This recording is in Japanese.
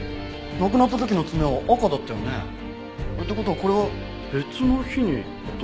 亡くなった時の爪は赤だったよね？って事はこれは別の日に落としたもの？